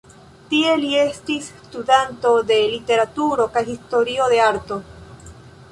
Tie li estis studanto de literaturo kaj historio de arto.